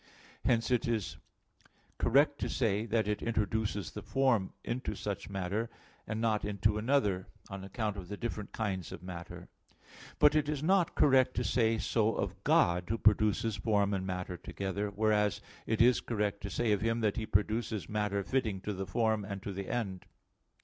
Hence it is correct to say that it introduces the form into such matter, and not into another, on account of the different kinds of matter. But it is not correct to say so of God Who produces form and matter together: whereas it is correct to say of Him that He produces matter fitting to the form and to the end.